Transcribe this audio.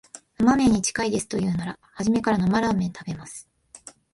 生めんに近いですと言うなら、初めから生ラーメン食べます